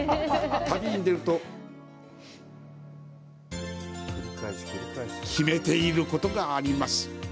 旅に出ると、決めていることがあります。